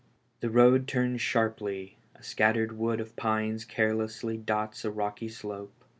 The road turns sharply, a scattered wood of pines carelessly dots a rocky slope.